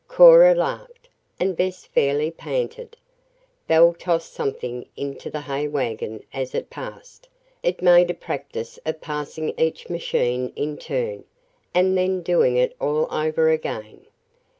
Cora laughed, and Bess fairly panted. Belle tossed something into the hay wagon as it passed it made a practice of passing each machine in turn, and then doing it all over again.